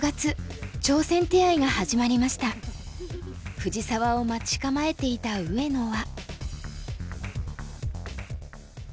藤沢を待ち構えていた上野は。